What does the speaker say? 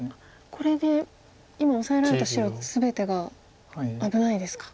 これで今オサえられた白全てが危ないですか。